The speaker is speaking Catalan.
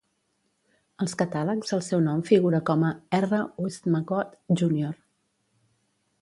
Als catàlegs el seu nom figura com a R. Westmacott, Junr.